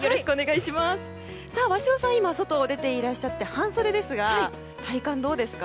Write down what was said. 鷲尾さん、今外に出ていらっしゃって半袖ですが体感、どうですか？